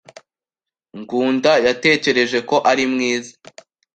Ngunda yatekereje ko ari mwiza.